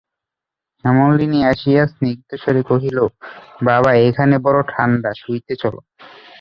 হেমনলিনী আসিয়া সিনগ্ধস্বরে কহিল, বাবা, এখানে বড়ো ঠাণ্ডা, শুইতে চলো।